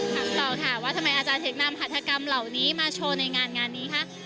ถามต่อค่ะว่าทำไมอาจารย์แทคนามภัทรกรรมเหล่านี้มาโชว์ในงานนี้คะ